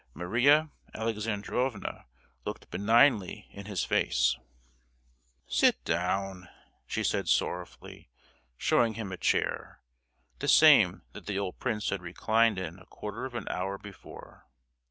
Maria Alexandrovna looked benignly in his face: "Sit down!" she said, sorrowfully, showing him a chair, the same that the old prince had reclined in a quarter of an hour before.